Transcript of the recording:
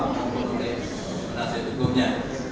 dan berhasil hukumnya